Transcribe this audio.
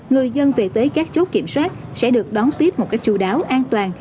người dân về tới các chốt kiểm soát sẽ được đón tiếp một cách chú đáo an toàn